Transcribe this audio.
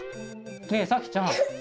ねえさきちゃん